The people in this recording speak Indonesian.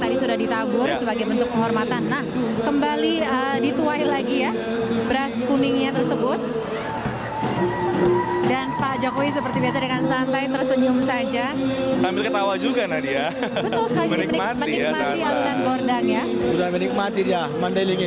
terhadap sebuah kemampuan yang berharga dan berharga yang berharga yang berharga